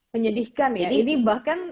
menyedihkan ya ini bahkan